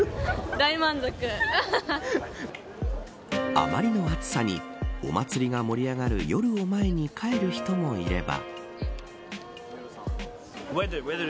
あまりの暑さにお祭りが盛り上がる夜を前に帰る人もいれば。